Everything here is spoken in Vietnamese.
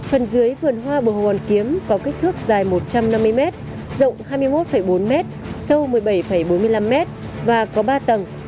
phần dưới vườn hoa bờ hoàn kiếm có kích thước dài một trăm năm mươi m rộng hai mươi một bốn m sâu một mươi bảy bốn mươi năm m và có ba tầng